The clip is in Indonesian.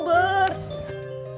kerjaan bisa dicari pak